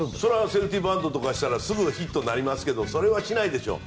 セーフティーバントとかしたらすぐヒットになりますがそれはしないでしょう。